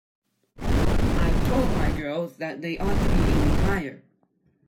I've told my girls that they ought to be aiming higher.